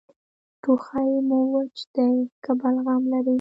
ټوخی مو وچ دی که بلغم لري؟